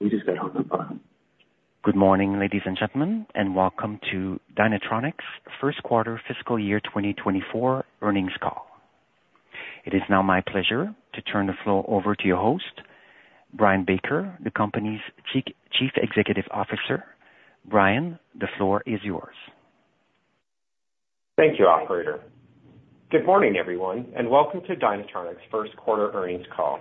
Good morning, ladies and gentlemen, and welcome to Dynatronics' first quarter fiscal year 2024 earnings call. It is now my pleasure to turn the floor over to your host, Brian Baker, the company's Chief Executive Officer. Brian, the floor is yours. Thank you, operator. Good morning, everyone, and welcome to Dynatronics' first quarter earnings call.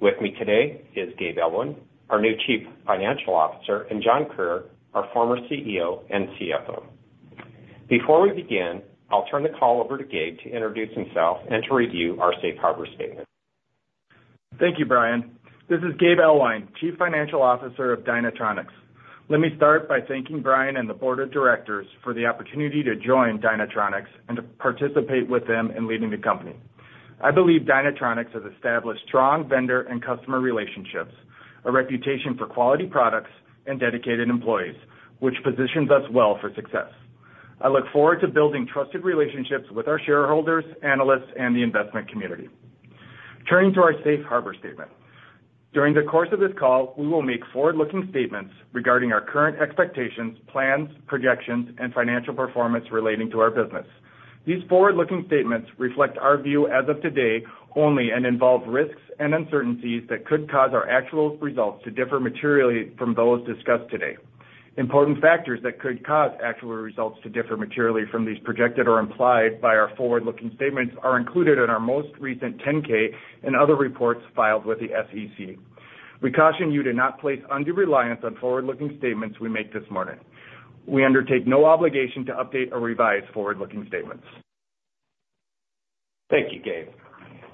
With me today is Gabe Ellwein, our new Chief Financial Officer, and John Krier, our former CEO and CFO. Before we begin, I'll turn the call over to Gabe to introduce himself and to review our safe harbor statement. Thank you, Brian. This is Gabe Ellwein, Chief Financial Officer of Dynatronics. Let me start by thanking Brian and the Board of Directors for the opportunity to join Dynatronics and to participate with them in leading the company. I believe Dynatronics has established strong vendor and customer relationships, a reputation for quality products and dedicated employees, which positions us well for success. I look forward to building trusted relationships with our shareholders, analysts, and the investment community. Turning to our safe harbor statement. During the course of this call, we will make forward-looking statements regarding our current expectations, plans, projections, and financial performance relating to our business. These forward-looking statements reflect our view as of today only and involve risks and uncertainties that could cause our actual results to differ materially from those discussed today. Important factors that could cause actual results to differ materially from these projected or implied by our forward-looking statements are included in our most recent 10-K and other reports filed with the SEC. We caution you to not place undue reliance on forward-looking statements we make this morning. We undertake no obligation to update or revise forward-looking statements. Thank you, Gabe.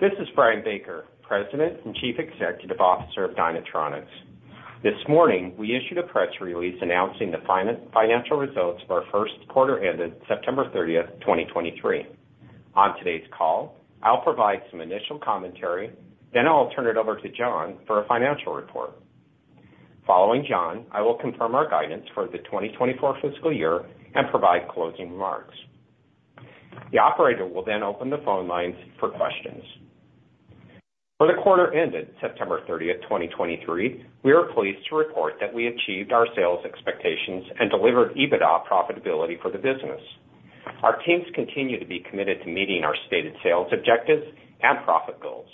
This is Brian Baker, President and Chief Executive Officer of Dynatronics. This morning, we issued a press release announcing the financial results of our first quarter ended September 30, 2023. On today's call, I'll provide some initial commentary, then I'll turn it over to John for a financial report. Following John, I will confirm our guidance for the 2024 fiscal year and provide closing remarks. The operator will then open the phone lines for questions. For the quarter ended September 30, 2023, we are pleased to report that we achieved our sales expectations and delivered EBITDA profitability for the business. Our teams continue to be committed to meeting our stated sales objectives and profit goals.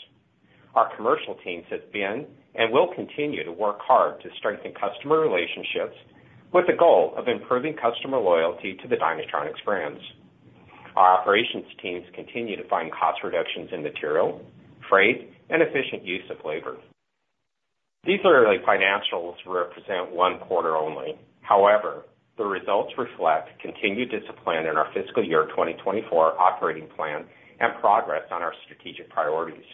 Our commercial teams have been and will continue to work hard to strengthen customer relationships with the goal of improving customer loyalty to the Dynatronics brands. Our operations teams continue to find cost reductions in material, freight, and efficient use of labor. These early financials represent one quarter only. However, the results reflect continued discipline in our fiscal year 2024 operating plan and progress on our strategic priorities.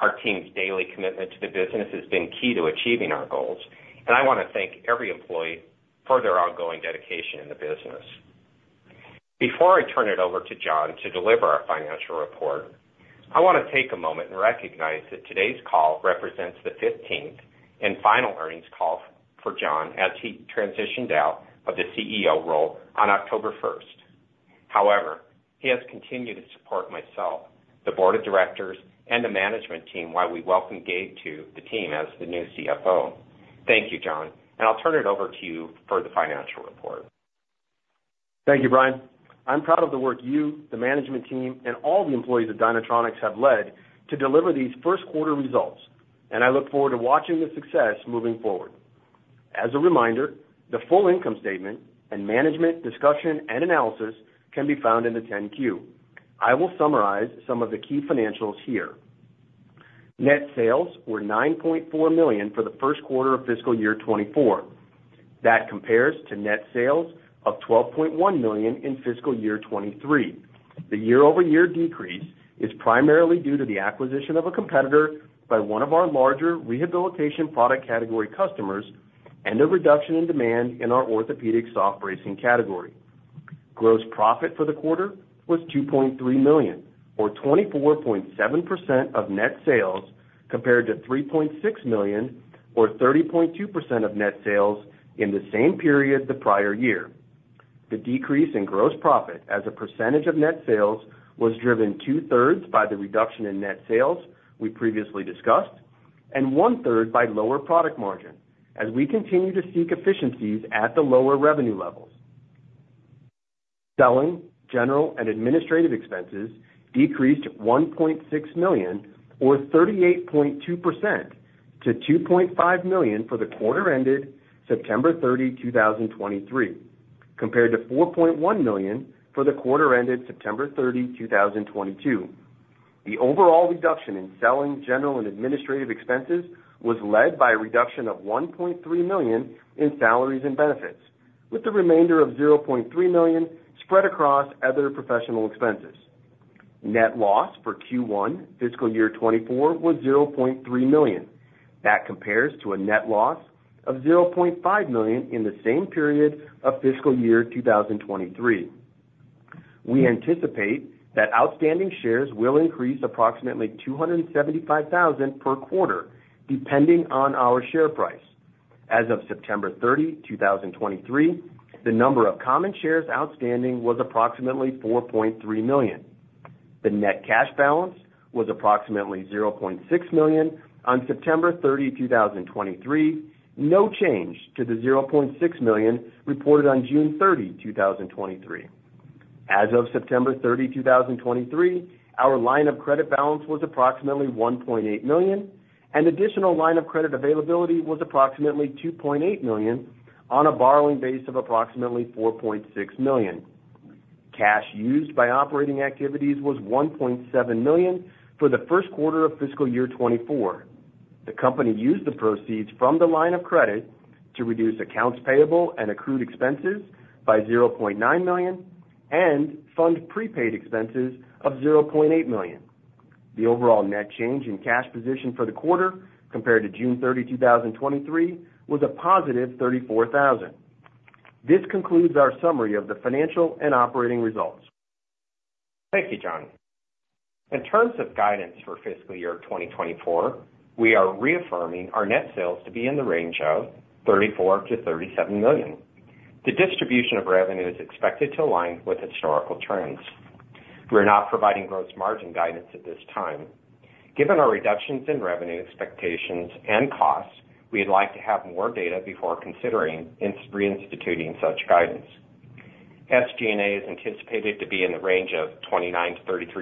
Our team's daily commitment to the business has been key to achieving our goals, and I wanna thank every employee for their ongoing dedication in the business. Before I turn it over to John to deliver our financial report, I wanna take a moment and recognize that today's call represents the fifteenth and final earnings call for John as he transitioned out of the CEO role on October 1st. However, he has continued to support myself, the board of directors, and the management team while we welcome Gabe to the team as the new CFO. Thank you, John, and I'll turn it over to you for the financial report. Thank you, Brian. I'm proud of the work you, the management team, and all the employees at Dynatronics have led to deliver these first quarter results, and I look forward to watching the success moving forward. As a reminder, the full income statement and management discussion and analysis can be found in the 10-Q. I will summarize some of the key financials here. Net sales were $9.4 million for the first quarter of fiscal year 2024. That compares to net sales of $12.1 million in fiscal year 2023. The year-over-year decrease is primarily due to the acquisition of a competitor by one of our larger rehabilitation product category customers and a reduction in demand in our orthopedic soft bracing category. Gross profit for the quarter was $2.3 million, or 24.7% of net sales, compared to $3.6 million, or 30.2% of net sales in the same period the prior year. The decrease in gross profit as a percentage of net sales, was driven two-thirds by the reduction in net sales we previously discussed, and one-third by lower product margin as we continue to seek efficiencies at the lower revenue levels. Selling, general and administrative expenses decreased $1.6 million, or 38.2% to $2.5 million for the quarter ended September 30, 2023, compared to $4.1 million for the quarter ended September 30, 2022. The overall reduction in selling, general and administrative expenses was led by a reduction of $1.3 million in salaries and benefits, with the remainder of $0.3 million spread across other professional expenses. Net loss for Q1 fiscal year 2024 was $0.3 million. That compares to a net loss of $0.5 million in the same period of fiscal year 2023. We anticipate that outstanding shares will increase approximately 275,000 per quarter, depending on our share price. As of September 30, 2023, the number of common shares outstanding was approximately 4.3 million. The net cash balance was approximately $0.6 million on September 30, 2023, no change to the $0.6 million reported on June 30, 2023. As of September 30, 2023, our line of credit balance was approximately $1.8 million, and additional line of credit availability was approximately $2.8 million on a borrowing base of approximately $4.6 million. Cash used by operating activities was $1.7 million for the first quarter of fiscal year 2024. The company used the proceeds from the line of credit to reduce accounts payable and accrued expenses by $0.9 million and fund prepaid expenses of $0.8 million. The overall net change in cash position for the quarter compared to June 30, 2023, was a +$34,000. This concludes our summary of the financial and operating results. Thank you, John. In terms of guidance for fiscal year 2024, we are reaffirming our net sales to be in the range of $34 million-$37 million. The distribution of revenue is expected to align with historical trends. We're not providing gross margin guidance at this time. Given our reductions in revenue expectations and costs, we'd like to have more data before considering reinstituting such guidance. SG&A is anticipated to be in the range of 29%-33%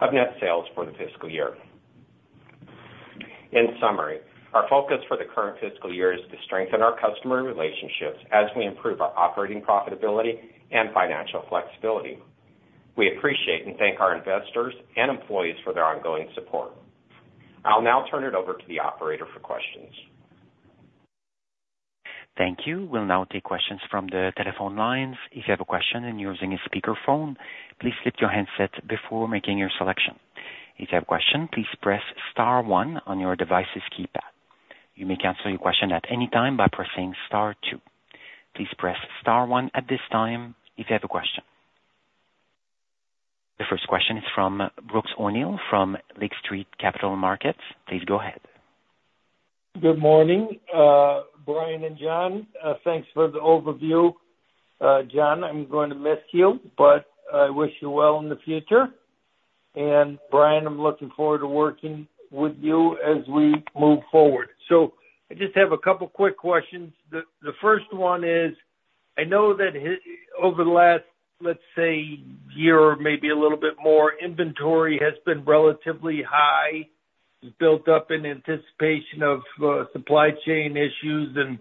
of net sales for the fiscal year. In summary, our focus for the current fiscal year is to strengthen our customer relationships as we improve our operating profitability and financial flexibility. We appreciate and thank our investors and employees for their ongoing support. I'll now turn it over to the operator for questions. Thank you. We'll now take questions from the telephone lines. If you have a question and you're using a speakerphone, please lift your handset before making your selection. If you have a question, please press star one on your device's keypad. You may cancel your question at any time by pressing star two. Please press star one at this time if you have a question. The first question is from Brooks O'Neil from Lake Street Capital Markets. Please go ahead. Good morning, Brian and John. Thanks for the overview. John, I'm going to miss you, but I wish you well in the future. And Brian, I'm looking forward to working with you as we move forward. So I just have a couple quick questions. The first one is, I know that over the last, let's say, year or maybe a little bit more, inventory has been relatively high, built up in anticipation of supply chain issues, and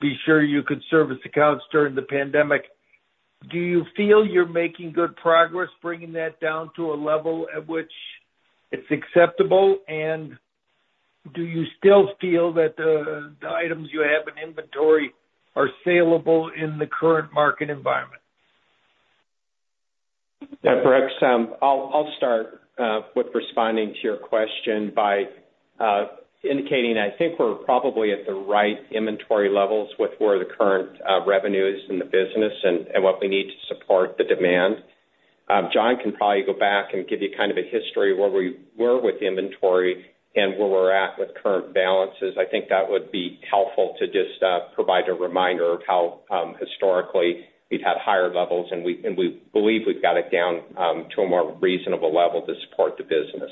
be sure you could service accounts during the pandemic. Do you feel you're making good progress, bringing that down to a level at which it's acceptable? And do you still feel that the items you have in inventory are saleable in the current market environment? Yeah, Brooks, I'll start with responding to your question by indicating I think we're probably at the right inventory levels with where the current revenue is in the business and what we need to support the demand. John can probably go back and give you kind of a history of where we were with the inventory and where we're at with current balances. I think that would be helpful to just provide a reminder of how historically we've had higher levels, and we believe we've got it down to a more reasonable level to support the business.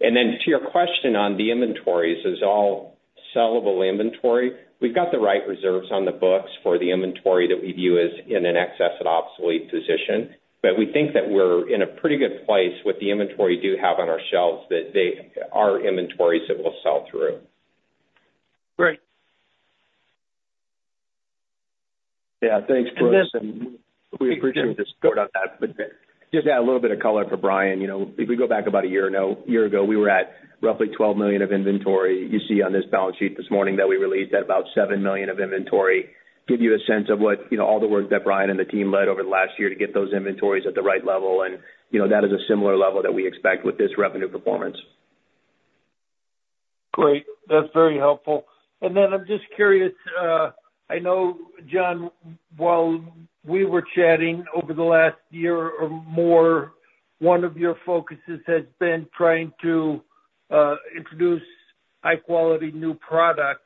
And then to your question on the inventories, is all saleable inventory? We've got the right reserves on the books for the inventory that we view as in an excess and obsolete position, but we think that we're in a pretty good place with the inventory we do have on our shelves, that they are inventories that will sell through. Great. Yeah, thanks, Brooks. We appreciate the support on that. But just to add a little bit of color for Brian, you know, if we go back about a year, now, a year ago, we were at roughly $12 million of inventory. You see on this balance sheet this morning that we released at about $7 million of inventory. Give you a sense of what, you know, all the work that Brian and the team led over the last year to get those inventories at the right level. And, you know, that is a similar level that we expect with this revenue performance. Great. That's very helpful. And then I'm just curious, I know, John, while we were chatting over the last year or more, one of your focuses has been trying to introduce high-quality new products.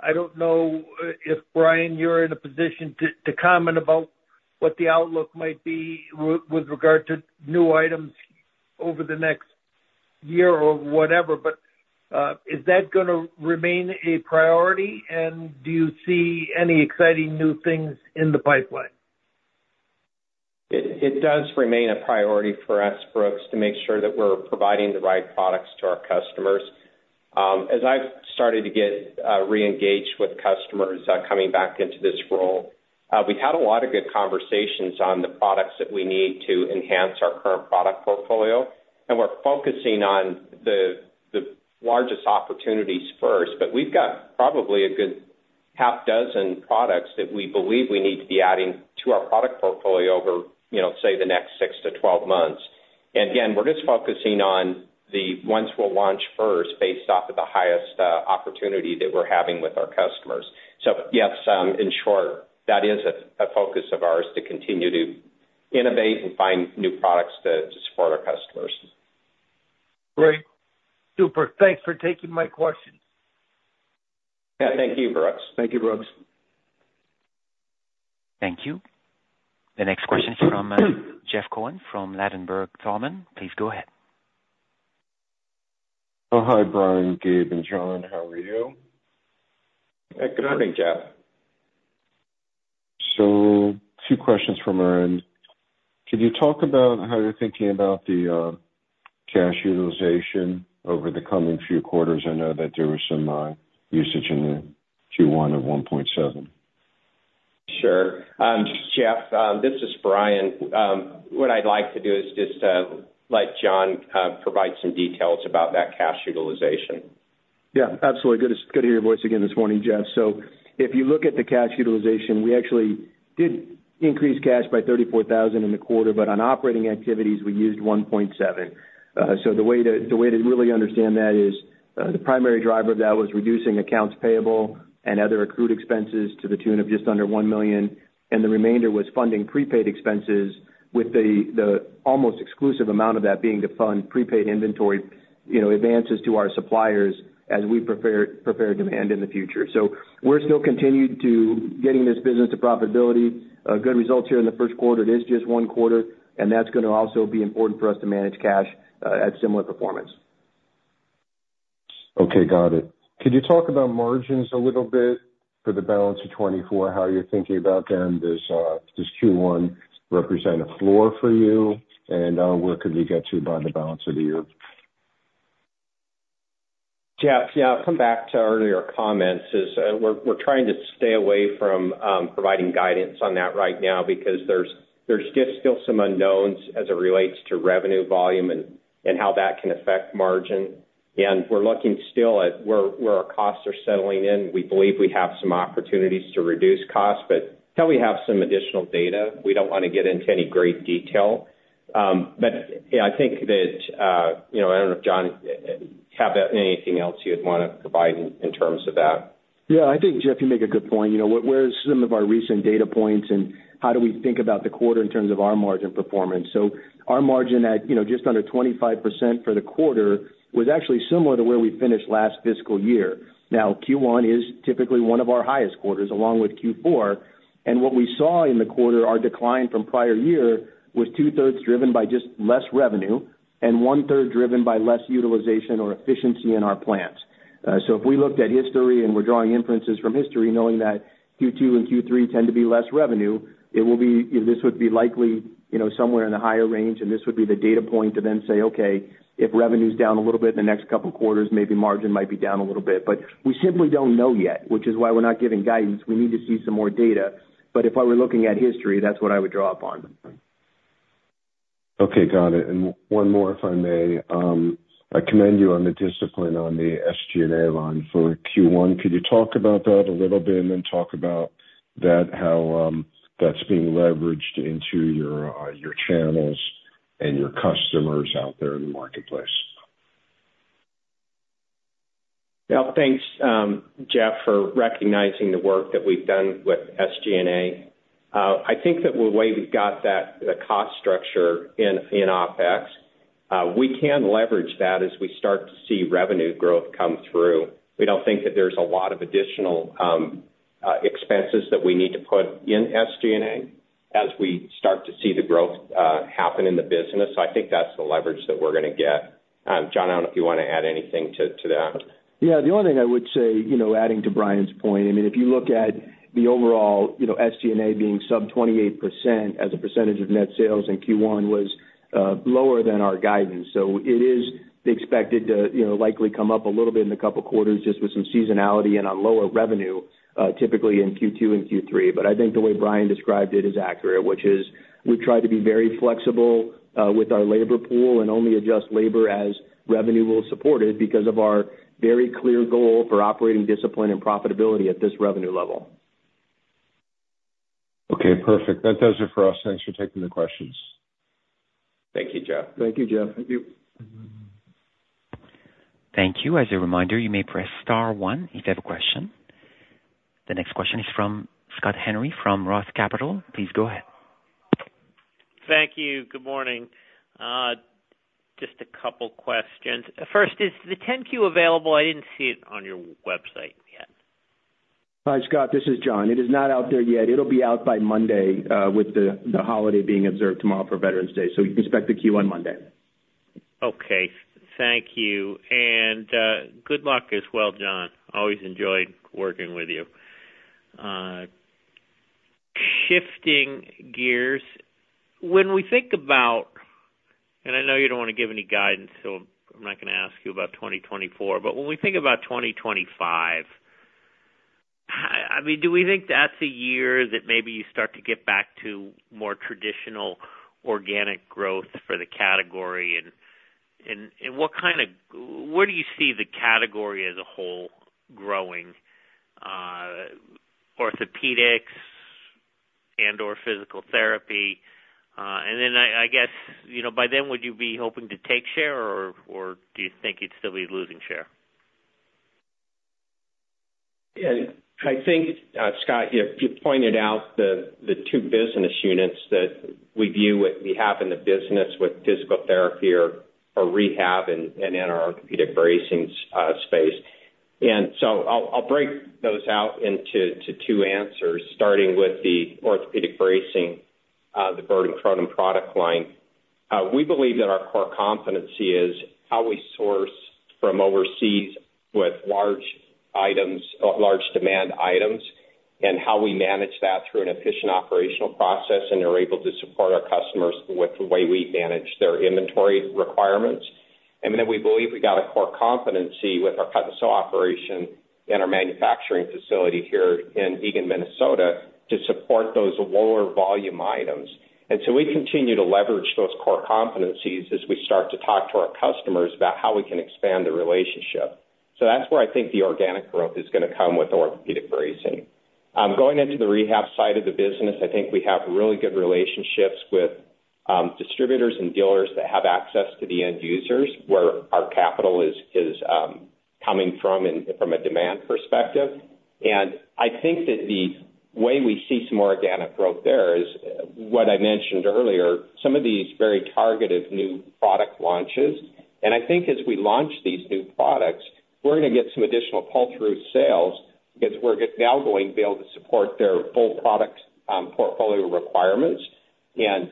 I don't know if, Brian, you're in a position to comment about what the outlook might be with regard to new items over the next year or whatever, but is that gonna remain a priority? And do you see any exciting new things in the pipeline? It does remain a priority for us, Brooks, to make sure that we're providing the right products to our customers. As I've started to get reengaged with customers, coming back into this role, we've had a lot of good conversations on the products that we need to enhance our current product portfolio, and we're focusing on the largest opportunities first. But we've got probably a good half dozen products that we believe we need to be adding to our product portfolio over, you know, say, the next six to 12 months. And again, we're just focusing on the ones we'll launch first, based off of the highest opportunity that we're having with our customers. So yes, in short, that is a focus of ours, to continue to innovate and find new products to support our customers. Great. Super. Thanks for taking my questions. Yeah, thank you, Brooks. Thank you, Brooks. Thank you. The next question from Jeff Cohen from Ladenburg Thalmann, please go ahead. Oh, hi, Brian, Gabe, and John. How are you? Good morning, Jeff. So two questions from our end. Could you talk about how you're thinking about the cash utilization over the coming few quarters? I know that there was some usage in the Q1 of $1.7. Sure. Jeff, this is Brian. What I'd like to do is just let John provide some details about that cash utilization. Yeah, absolutely. Good to hear your voice again this morning, Jeff. So if you look at the cash utilization, we actually did increase cash by $34,000 in the quarter, but on operating activities, we used $1.7 million. So the way to really understand that is, the primary driver of that was reducing accounts payable and other accrued expenses to the tune of just under $1 million, and the remainder was funding prepaid expenses with the almost exclusive amount of that being to fund prepaid inventory, you know, advances to our suppliers as we prepare demand in the future. So we're still continued to getting this business to profitability. Good results here in the first quarter. It is just one quarter, and that's gonna also be important for us to manage cash at similar performance. Okay, got it. Could you talk about margins a little bit for the balance of 2024, how you're thinking about them? Does Q1 represent a floor for you? And where could we get to by the balance of the year? Jeff, yeah, I'll come back to earlier comments. We're trying to stay away from providing guidance on that right now because there's just still some unknowns as it relates to revenue volume and how that can affect margin. And we're looking still at where our costs are settling in. We believe we have some opportunities to reduce costs, but till we have some additional data, we don't want to get into any great detail. But, yeah, I think that, you know, I don't know if John have anything else you'd want to provide in terms of that? Yeah, I think, Jeff, you make a good point. You know, what, where is some of our recent data points, and how do we think about the quarter in terms of our margin performance? So our margin at, you know, just under 25% for the quarter was actually similar to where we finished last fiscal year. Now, Q1 is typically one of our highest quarters, along with Q4, and what we saw in the quarter, our decline from prior year, was two-thirds driven by just less revenue and one-third driven by less utilization or efficiency in our plants. So if we looked at history and we're drawing inferences from history, knowing that Q2 and Q3 tend to be less revenue, it will be. This would be likely, you know, somewhere in the higher range, and this would be the data point to then say, "Okay, if revenue's down a little bit in the next couple quarters, maybe margin might be down a little bit." But we simply don't know yet, which is why we're not giving guidance. We need to see some more data. But if I were looking at history, that's what I would draw upon. Okay, got it. And one more, if I may. I commend you on the discipline on the SG&A line for Q1. Could you talk about that a little bit, and then talk about that, how that's being leveraged into your your channels and your customers out there in the marketplace? Yeah. Thanks, Jeff, for recognizing the work that we've done with SG&A. I think that the way we've got that, the cost structure in OpEx, we can leverage that as we start to see revenue growth come through. We don't think that there's a lot of additional expenses that we need to put in SG&A as we start to see the growth happen in the business. So I think that's the leverage that we're gonna get. John, I don't know if you want to add anything to that. Yeah, the only thing I would say, you know, adding to Brian's point, I mean, if you look at the overall, you know, SG&A being sub 28% as a percentage of net sales in Q1 was lower than our guidance. So it is expected to, you know, likely come up a little bit in a couple of quarters just with some seasonality and on lower revenue typically in Q2 and Q3. But I think the way Brian described it is accurate, which is we've tried to be very flexible with our labor pool and only adjust labor as revenue will support it, because of our very clear goal for operating discipline and profitability at this revenue level. Okay, perfect. That does it for us. Thanks for taking the questions. Thank you, Jeff. Thank you, Jeff. Thank you. Thank you. As a reminder, you may press star one if you have a question. The next question is from Scott Henry, from Roth Capital. Please go ahead. Thank you. Good morning. Just a couple questions. First, is the 10-Q available? I didn't see it on your website yet. Hi, Scott, this is John. It is not out there yet. It'll be out by Monday, with the holiday being observed tomorrow for Veterans Day, so you can expect the 10-Q on Monday. Okay. Thank you. And good luck as well, John. Always enjoyed working with you. Shifting gears, when we think about, and I know you don't want to give any guidance, so I'm not gonna ask you about 2024, but when we think about 2025, I mean, do we think that's a year that maybe you start to get back to more traditional organic growth for the category? And what kind of. Where do you see the category as a whole growing, orthopedics and/or physical therapy? And then, I guess, you know, by then, would you be hoping to take share, or do you think you'd still be losing share? Yeah, I think, Scott, you pointed out the two business units that we view what we have in the business with physical therapy or rehab and in our orthopedic bracing space. And so I'll break those out into two answers, starting with the orthopedic bracing, the Bird & Cronin product line. We believe that our core competency is how we source from overseas with large items, large demand items, and how we manage that through an efficient operational process, and are able to support our customers with the way we manage their inventory requirements. And then we believe we got a core competency with our cut-and-sew operation and our manufacturing facility here in Eagan, Minnesota, to support those lower volume items. We continue to leverage those core competencies as we start to talk to our customers about how we can expand the relationship. That's where I think the organic growth is gonna come with orthopedic bracing. Going into the rehab side of the business, I think we have really good relationships with distributors and dealers that have access to the end users, where our capital is coming from and from a demand perspective. I think that the way we see some more organic growth there is what I mentioned earlier, some of these very targeted new product launches. I think as we launch these new products, we're gonna get some additional pull-through sales, because we're now going to be able to support their full products portfolio requirements.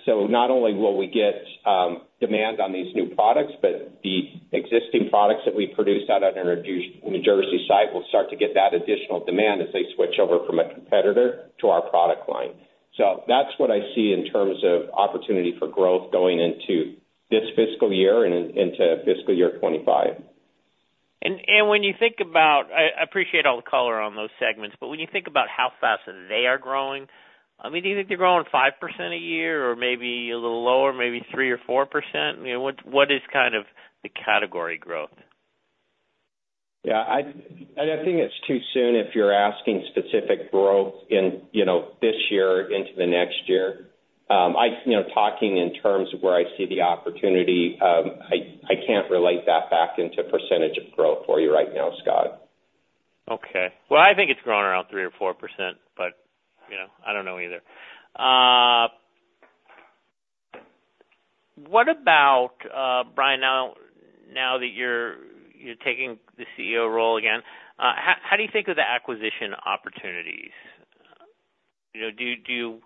Not only will we get demand on these new products, but the existing products that we produce out of our New Jersey site will start to get that additional demand as they switch over from a competitor to our product line. That's what I see in terms of opportunity for growth going into this fiscal year and into fiscal year 2025. When you think about. I appreciate all the color on those segments, but when you think about how fast they are growing, I mean, do you think they're growing 5% a year or maybe a little lower, maybe 3% or 4%? You know, what is kind of the category growth? Yeah, I think it's too soon if you're asking specific growth in, you know, this year into the next year. You know, talking in terms of where I see the opportunity, I can't relate that back into percentage of growth for you right now, Scott. Okay. Well, I think it's growing around 3% or 4%, but, you know, I don't know either. What about, Brian, now that you're taking the CEO role again, how do you think of the acquisition opportunities? You know,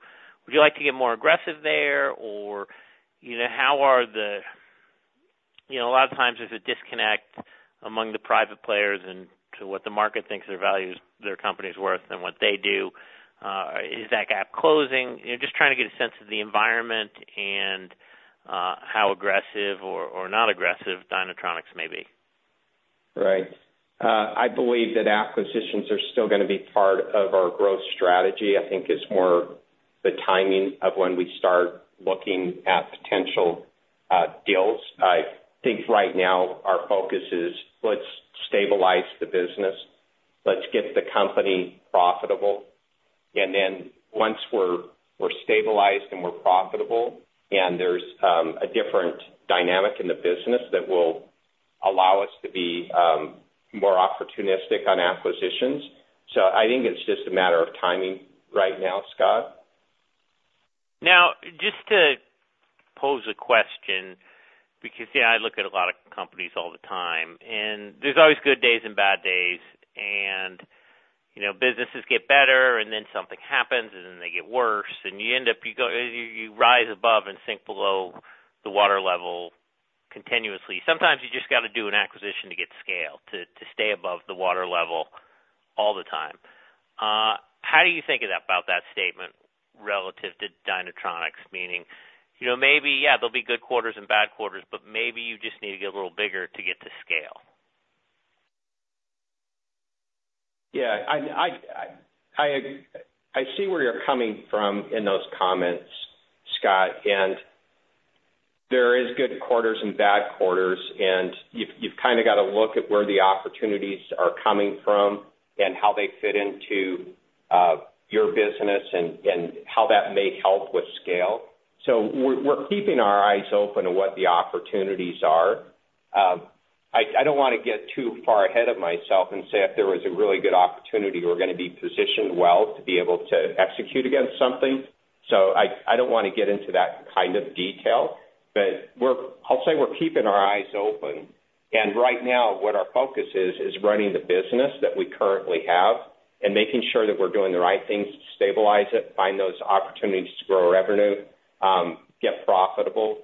would you like to get more aggressive there? You know, a lot of times there's a disconnect among the private players and to what the market thinks their value, their company's worth, and what they do. Is that gap closing? You know, just trying to get a sense of the environment and, how aggressive or not aggressive Dynatronics may be. Right. I believe that acquisitions are still gonna be part of our growth strategy. I think it's more the timing of when we start looking at potential deals. I think right now our focus is, let's stabilize the business, let's get the company profitable, and then once we're, we're stabilized and we're profitable, and there's a different dynamic in the business, that will allow us to be more opportunistic on acquisitions. So I think it's just a matter of timing right now, Scott. Now, just to pose a question, because, yeah, I look at a lot of companies all the time, and there's always good days and bad days. And, you know, businesses get better, and then something happens, and then they get worse, and you end up, you rise above and sink below the water level continuously. Sometimes you just got to do an acquisition to get scale, to stay above the water level all the time. How do you think of that, about that statement relative to Dynatronics? Meaning, you know, maybe, yeah, there'll be good quarters and bad quarters, but maybe you just need to get a little bigger to get to scale. Yeah, I see where you're coming from in those comments, Scott, and there is good quarters and bad quarters, and you've kind of got to look at where the opportunities are coming from and how they fit into your business and how that may help with scale. So we're keeping our eyes open on what the opportunities are. I don't want to get too far ahead of myself and say if there was a really good opportunity, we're gonna be positioned well to be able to execute against something. So I don't want to get into that kind of detail, but we're—I'll say we're keeping our eyes open. Right now, what our focus is, is running the business that we currently have and making sure that we're doing the right things to stabilize it, find those opportunities to grow revenue, get profitable,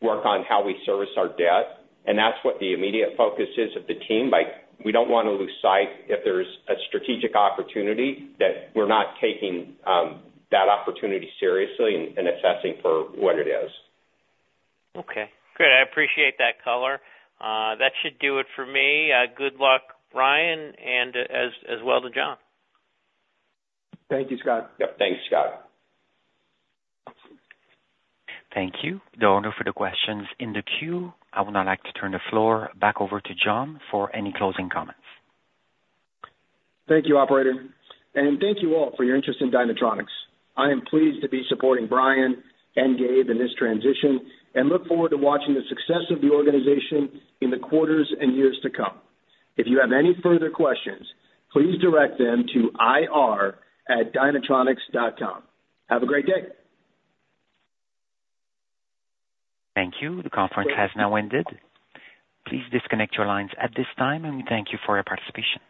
work on how we service our debt, and that's what the immediate focus is of the team. Like, we don't want to lose sight if there's a strategic opportunity, that we're not taking, that opportunity seriously and assessing for what it is. Okay, great. I appreciate that color. That should do it for me. Good luck, Brian, and as well to John. Thank you, Scott. Yep, thanks, Scott. Thank you. No further questions in the queue. I would now like to turn the floor back over to John for any closing comments. Thank you, operator, and thank you all for your interest in Dynatronics. I am pleased to be supporting Brian and Gabe in this transition, and look forward to watching the success of the organization in the quarters and years to come. If you have any further questions, please direct them to ir@dynatronics.com. Have a great day. Thank you. The conference has now ended. Please disconnect your lines at this time, and we thank you for your participation.